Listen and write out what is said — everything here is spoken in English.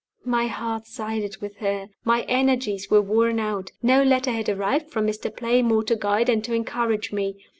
My heart sided with her. My energies were worn out. No letter had arrived from Mr. Playmore to guide and to encourage me.